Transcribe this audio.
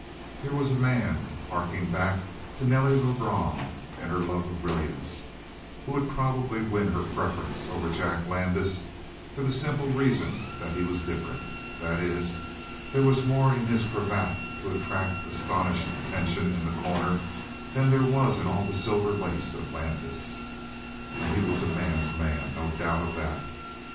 Here was a man, harking back to Nelly Lebrun and her love of brilliance, who would probably win her preference over Jack Landis for the simple reason that he was different. That is, there was more in his cravat to attract astonished attention in The Corner than there was in all the silver lace of Landis. And he was a man's man, no doubt of that.